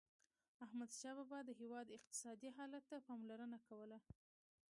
احمدشاه بابا د هیواد اقتصادي حالت ته پاملرنه کوله.